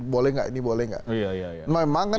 boleh nggak ini boleh nggak